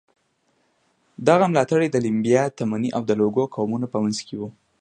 دغه ملاتړي د لیمبا، تمني او لوکو قومونو په منځ کې وو.